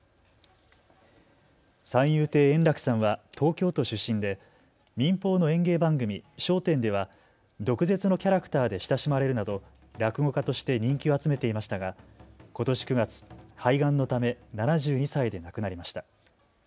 三遊亭円楽さんは東京都出身で民放の演芸番組、笑点では毒舌のキャラクターで親しまれるなど落語家として人気を集めていましたがことし９月、肺がんのため７２歳で亡くなりました。